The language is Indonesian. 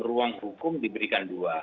ruang hukum diberikan dua